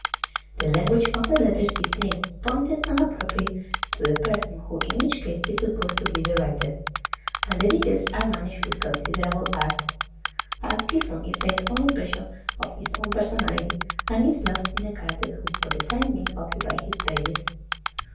The language of the letters is neat, pointed, and appropriate to the person who in each case is supposed to be the writer; and the details are managed with considerable art. Alciphron effaces all impression of his own personality, and is lost in the characters who for the time being occupy his pages.